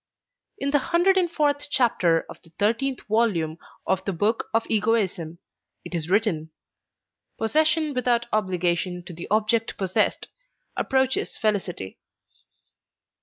In the hundred and fourth chapter of the thirteenth volume of the Book of Egoism it is written: Possession without obligation to the object possessed approaches felicity.